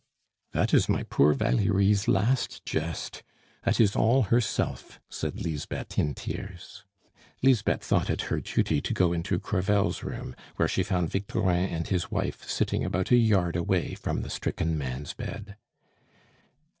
"That is my poor Valerie's last jest; that is all herself!" said Lisbeth in tears. Lisbeth thought it her duty to go into Crevel's room, where she found Victorin and his wife sitting about a yard away from the stricken man's bed.